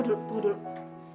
eh tunggu dulu